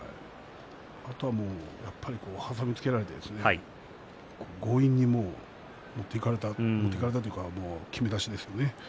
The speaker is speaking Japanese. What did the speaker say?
あとはやっぱり挟みつけられて強引に持っていかれたというかきめ出しですよね。